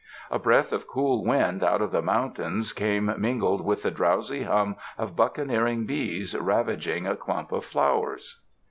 A breath of cool wind out of the mountains came mingled with the drowsy hum of buccaneering bees ravaging a clump of flowers.